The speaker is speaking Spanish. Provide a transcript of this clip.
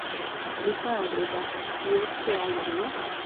Lisa agrega: "Si es que hay algo.